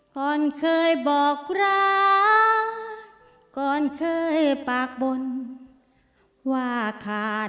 ก่อนเคยบอกรัก